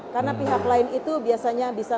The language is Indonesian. karena pihak lain itu biasanya bisa